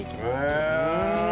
へえ！